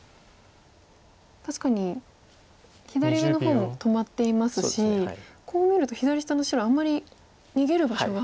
確かに左上の方も止まっていますしこう見ると左下の白あんまり逃げる場所が。